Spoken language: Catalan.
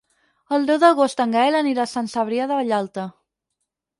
El deu d'agost en Gaël anirà a Sant Cebrià de Vallalta.